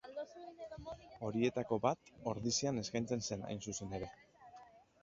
Horietako bat Ordizian eskaintzen zen hain zuzen ere.